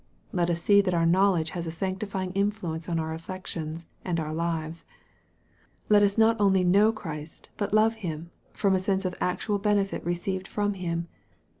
Let us see that our knowledge has a sanctifying influence on our affections and our lives. Let us not only know Christ but love Him, from a sense of actual benefit received from Him.